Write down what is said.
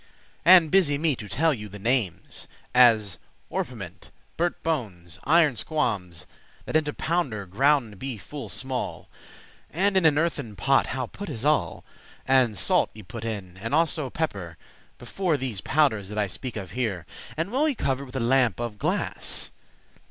And busy me to telle you the names, As orpiment, burnt bones, iron squames,* *scales <3> That into powder grounden be full small? And in an earthen pot how put is all, And, salt y put in, and also peppere, Before these powders that I speak of here, And well y cover'd with a lamp of glass?